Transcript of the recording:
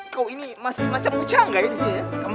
kau ini masih macam uca nggak ya di sini ya